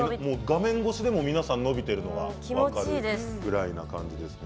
画面越しでも皆さん伸びているのが分かるくらいですね。